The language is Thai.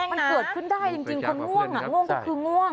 มันเกิดขึ้นได้จริงคนง่วงง่วงก็คือง่วง